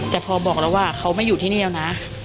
แต่พอบอกแล้วว่าเขาไม่อยู่ที่นี่แล้วนะ